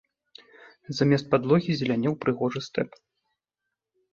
Замест падлогі зелянеў прыгожы стэп.